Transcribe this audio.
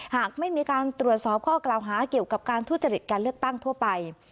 หากไม่มีการตรวจสอบข้อกล่าวหาเกี่ยวกับการทุจริตการเลือกตั้งทั่วไป